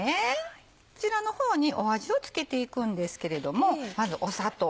こちらの方に味を付けていくんですけれどもまず砂糖。